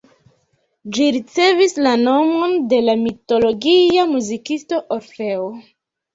Ĝi ricevis la nomon de la mitologia muzikisto Orfeo.